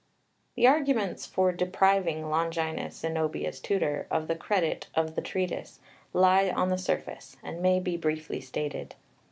The arguments for depriving Longinus, Zenobia's tutor, of the credit of the Treatise lie on the surface, and may be briefly stated.